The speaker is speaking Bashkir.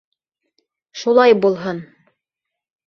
- Шулай булһын.